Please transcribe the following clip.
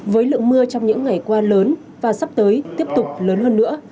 với lượng mưa trong những ngày qua lớn và sắp tới tiếp tục lớn hơn nữa